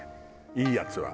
いいやつは。